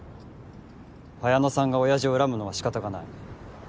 文乃さんが親父を恨むのは仕方がない。